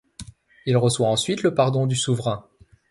Il reçoit ensuite le pardon du souverain.